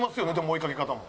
追いかけ方も。